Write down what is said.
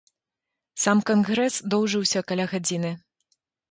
Сам кангрэс доўжыўся каля гадзіны.